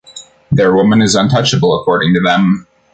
Their woman is untouchable according to them.